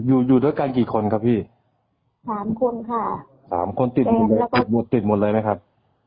อยู่อยู่ด้วยกันกี่คนครับพี่สามคนค่ะสามคนติดหมดเลยติดหมดเลยไหมครับ